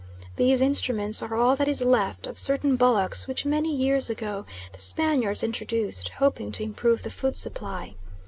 These instruments are all that is left of certain bullocks which many years ago the Spaniards introduced, hoping to improve the food supply.